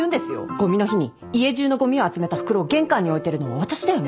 「ごみの日に家中のごみを集めた袋を玄関に置いてるのは私だよね？」